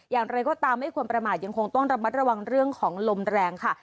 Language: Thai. อย่างไรก็ตามไม่ควรประมาทยังคงต้องระมัดระวังเรื่องของลมแรงค่ะ